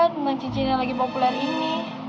teman cincin yang lagi populer ini